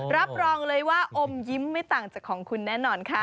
รับรองเลยว่าอมยิ้มไม่ต่างจากของคุณแน่นอนค่ะ